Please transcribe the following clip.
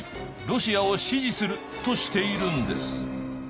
ロシアを支持する」としているんです。